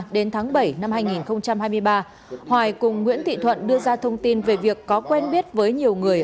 đến tháng bảy năm hai nghìn hai mươi ba hoài cùng nguyễn thị thuận đưa ra thông tin về việc có quen biết với nhiều người